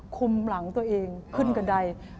คุมหลังตัวเองขึ้นกระดาย